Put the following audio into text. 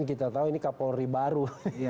kita tahu ini kapolri baru